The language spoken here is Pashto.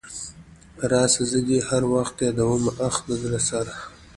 راسه زه دي هر وخت يادومه اخ د زړه سره .